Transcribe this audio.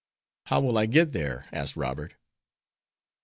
"How will I get there?" asked Robert.